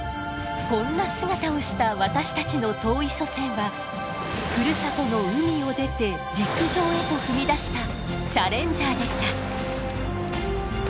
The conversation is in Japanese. こんな姿をした私たちの遠い祖先はふるさとの海を出て陸上へと踏み出したチャレンジャーでした。